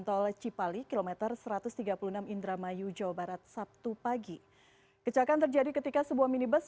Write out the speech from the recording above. tol cipali kilometer satu ratus tiga puluh enam indramayu jawa barat sabtu pagi kecelakaan terjadi ketika sebuah minibus